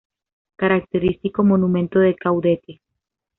Característico monumento de Caudete.